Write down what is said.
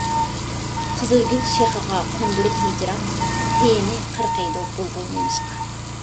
قىزىلگۈل شېخىغا قوندۇرۇپ ھىجران، پېيىنى قىرقىيدۇ بۇلبۇل نېمىشقا.